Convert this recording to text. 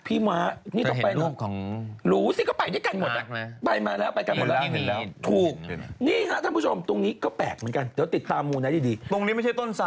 อินอะไรอีกอ่ะ